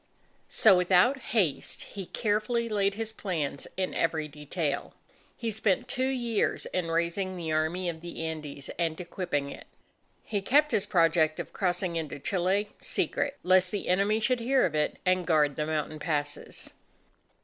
So without haste, he carefully laid his plans in every detail. He spent two years in raising the Army of the Andes and equipping it. He kept his project of crossing into Chile, secret, lest the enemy should hear of it and guard the mountain passes.